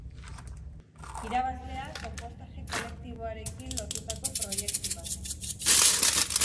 Irabazlea, konpostaje kolektiboarekin lotutako proiektu bat.